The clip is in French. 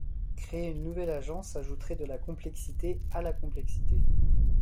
Créer une nouvelle agence ajouterait de la complexité à la complexité.